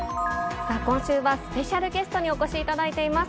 今週はスペシャルゲストにお越しいただいています。